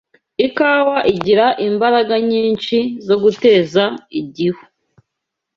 Ikawa igira imbaraga nyinshi zo guteza igihu